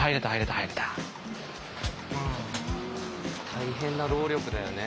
大変な労力だよね。